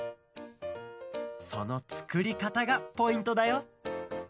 そのつくりかたがポイントだよ